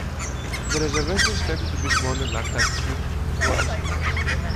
The reservations tended to be small and lacked adequate water supplies.